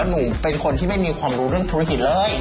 หนูเป็นคนที่ไม่มีความรู้เรื่องธุรกิจเลย